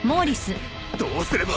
どうすれば。